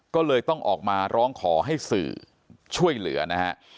ก็เลยต้องออกมาร้องขอให้สื่อช่วยเหลือนะฮะ